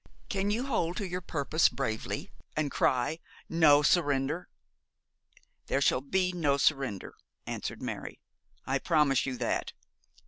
Can you hold to your purpose bravely, and cry, no surrender?' 'There shall be no surrender,' answered Mary, 'I promise you that.